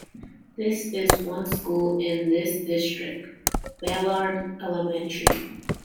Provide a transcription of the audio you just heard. There is one school in this district, Ballard Elementary.